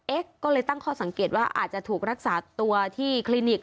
ก็เลยตั้งข้อสังเกตว่าอาจจะถูกรักษาตัวที่คลินิก